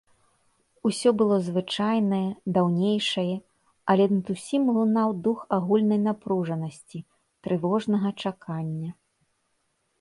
Усё было звычайнае, даўнейшае, але над усім лунаў дух агульнай напружанасці, трывожнага чакання.